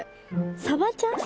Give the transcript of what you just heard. サバちゃん？